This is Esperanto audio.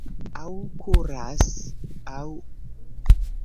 Aŭ kuras, aŭ...